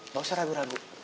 gak usah ragu ragu